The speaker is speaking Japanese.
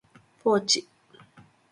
ポーチ、